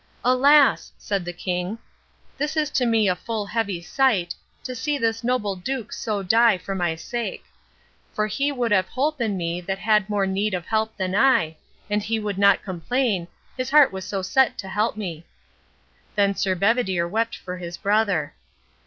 "Alas!" said the king, "this is to me a full heavy sight, to see this noble duke so die for my sake; for he would have holpen me that had more need of help than I, and he would not complain, his heart was so set to help me." Then Sir Bedivere wept for his brother.